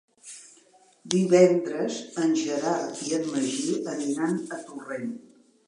Divendres en Gerard i en Magí aniran a Torrent.